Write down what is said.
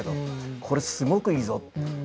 これすごくいいぞ」と。